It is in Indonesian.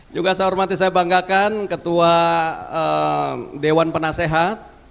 juga saya hormati saya banggakan ketua dewan penasehat